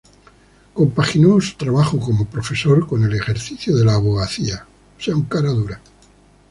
Compaginó su trabajo como profesor con el ejercicio de la abogacía.